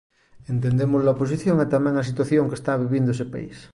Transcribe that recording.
Entendemos a posición e tamén a situación que está vivindo este país.